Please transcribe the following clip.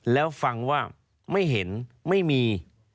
แล้วฟังว่าไม่เห็นไม่มี